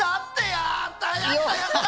やったやったやった！